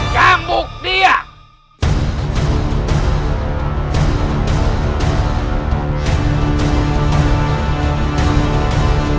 jadi saya berhasil